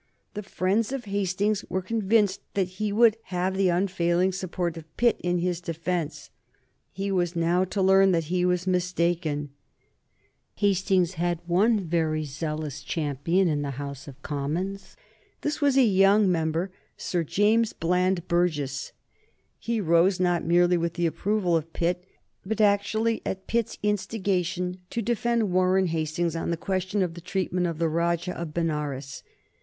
The friends of Hastings were convinced that he would have the unfailing support of Pitt in his defence. He was now to learn that he was mistaken. [Sidenote: 1787 Pitt and the impeachment] Hastings had one very zealous champion in the House of Commons. This was a young member, Sir James Bland Burges. He rose not merely with the approval of Pitt, but actually at Pitt's instigation, to defend Warren Hastings on the question of the treatment of the Rajah of Benares.